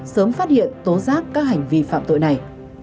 sớm phát hiện tố giác các hành vi phạm tội này